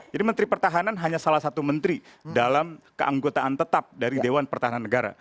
jadi menteri pertahanan hanya salah satu menteri dalam keanggotaan tetap dari dewan pertahanan negara